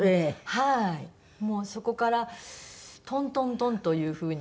もうそこからトントントンという風に。